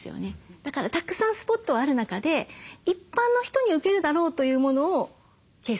だからたくさんスポットある中で一般の人にウケるだろうというものを掲載しているけれども。